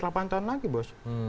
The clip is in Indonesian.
lapan tahun lagi bos